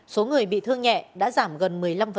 số người bị thương nhẹ đã giảm gần một mươi năm